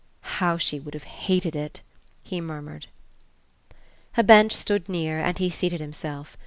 "How she would have hated it!" he murmured. A bench stood near and he seated himself.